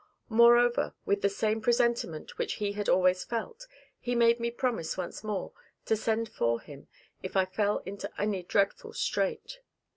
Moreover, with the same presentiment which he had always felt, he made me promise once more to send for him, if I fell into any dreadful strait.